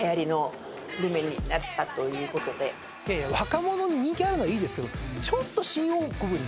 若者に人気あるのはいいですけどちょっと。